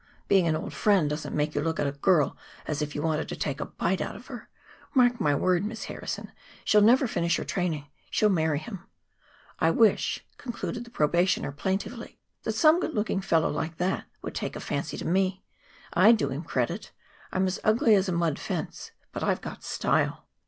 Being an old friend doesn't make you look at a girl as if you wanted to take a bite out of her. Mark my word, Miss Harrison, she'll never finish her training; she'll marry him. I wish," concluded the probationer plaintively, "that some good looking fellow like that would take a fancy to me. I'd do him credit. I am as ugly as a mud fence, but I've got style."